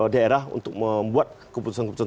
daerah untuk membuat keputusan keputusan